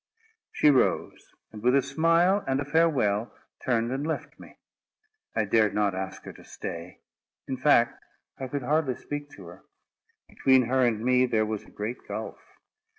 She rose, and with a smile and a farewell, turned and left me. I dared not ask her to stay; in fact, I could hardly speak to her. Between her and me, there was a great gulf.